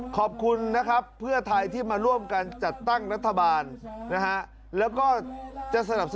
ขอบคุณนะครับเพื่อไทยที่มาร่วมกันจัดตั้งรัฐบาลนะฮะ